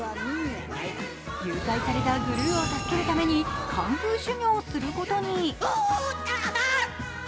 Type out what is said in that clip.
誘拐されたグルーを助けるためにカンフー修行をすることに。